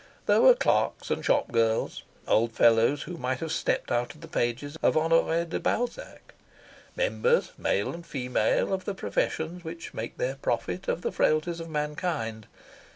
There were clerks and shopgirls; old fellows who might have stepped out of the pages of Honore de Balzac; members, male and female, of the professions which make their profit of the frailties of mankind.